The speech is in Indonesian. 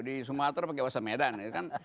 di sumatera pakai bahasa medan